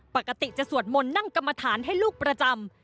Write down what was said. ปกติจะสวดมนต์นั่งกรรมฐานให้ลูกประจำ